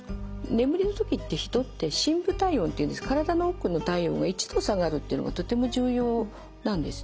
眠りの時って人って深部体温っていうんですけど体の奥の体温が１度下がるっていうのがとても重要なんですね。